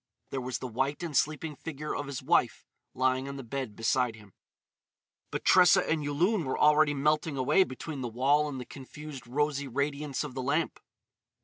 There was the white and sleeping figure of his wife lying on the bed beside him. But Tressa and Yulun were already melting away between the wall and the confused rosy radiance of the lamp.